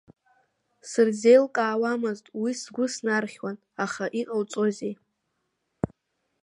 Сырзеилкаауамызт, уи сгәы снархьуан, аха иҟоуҵози?